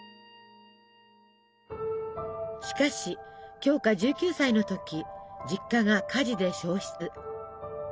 しかし鏡花１９歳の時実家が火事で焼失。